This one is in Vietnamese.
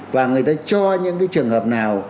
và người ta cho những cái trường hợp nào